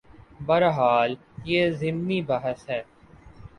بہرحال یہ ضمنی بحث ہے۔